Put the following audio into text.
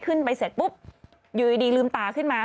เสร็จปุ๊บอยู่ดีลืมตาขึ้นมา